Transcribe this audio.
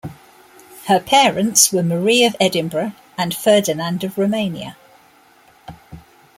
Her parents were Marie of Edinburgh and Ferdinand of Romania.